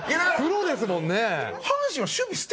プロですもんね。